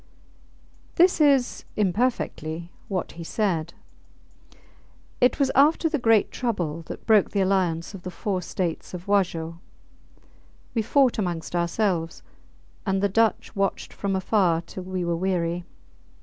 IV This is, imperfectly, what he said It was after the great trouble that broke the alliance of the four states of Wajo. We fought amongst ourselves, and the Dutch watched from afar till we were weary.